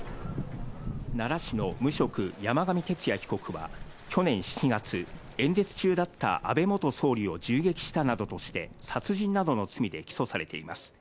奈良市の無職、山上徹也被告は去年７月、演説中だった安倍元総理を銃撃したなどとして、殺人などの罪で起訴されています。